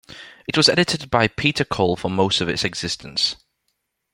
It was edited by Peter Cole for most of its existence.